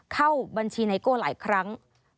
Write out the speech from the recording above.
เข้าบัญชีไนโก้หลายครั้ง